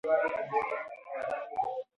د پښتنو دغه لښکر په نره او مېړانه مشهور و.